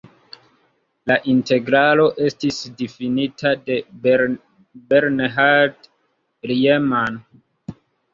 La integralo estis difinita de Bernhard Riemann.